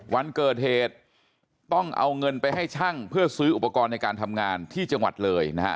วันเกิดเหตุต้องเอาเงินไปให้ช่างเพื่อซื้ออุปกรณ์ในการทำงานที่จังหวัดเลยนะฮะ